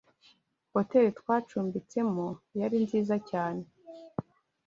Hoteri twacumbitsemo yari nziza cyane